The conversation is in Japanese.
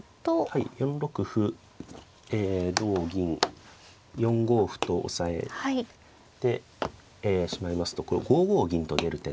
はい４六歩同銀４五歩と押さえてしまいますとこれ５五銀と出る手が。